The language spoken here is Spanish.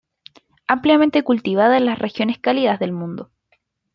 Ampliamente cultivada en las regiones cálidas del mundo.